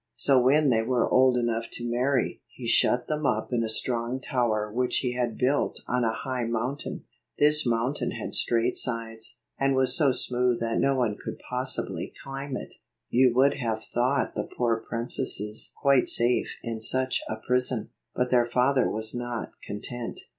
So when they were old enough to marry, he shut them up in a strong tower which he had built on a high mountain. This mountain had straight sides, and was so smooth that no one could possibly climb it You would have thought the poor princesses quite safe in such a prison ; but their father was not content.